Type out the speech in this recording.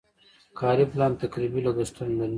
کاري پلان تقریبي لګښتونه لري.